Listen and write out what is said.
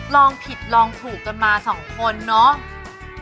ลองผิดลองถูกกันมาสองคนเนาะ